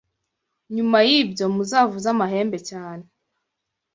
Nyuma y’ibyo muzavuze amahembe cyane